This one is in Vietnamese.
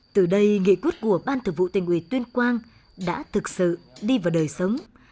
từ đây nghị quyết của ban thường vụ tình quỳ tuyên quang đã thực sự đi vào đời sống